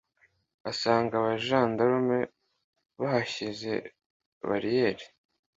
asanga abajandarume bahashyize bariyeri,